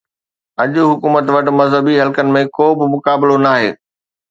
اڄ حڪومت وٽ مذهبي حلقن ۾ ڪو به مقابلو ناهي